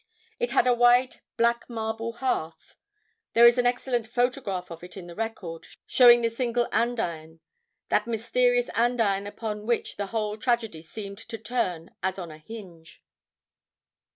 It had a wide black marble hearth. There is an excellent photograph of it in the record, showing the single andiron, that mysterious andiron upon which the whole tragedy seemed to turn as on a hinge.